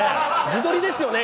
自撮りですよね？